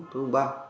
tối mùng ba